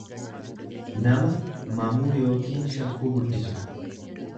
nama mamuu yookiin shakkuu guddisu.